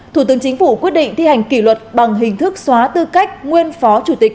thủ tướng chính phủ quyết định thi hành kỷ luật bằng hình thức xóa tư cách nguyên phó chủ tịch